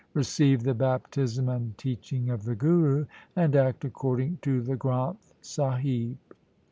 Receive the baptism and teaching of the Guru, and act according to the Granth Sahib.